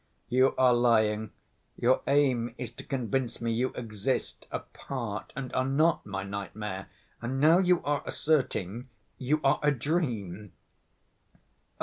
"You are lying, your aim is to convince me you exist apart and are not my nightmare, and now you are asserting you are a dream."